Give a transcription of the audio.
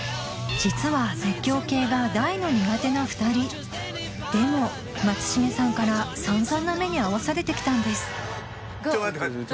実は絶叫系が大の苦手な２人でも松重さんからさんざんな目に遭わされてきたんです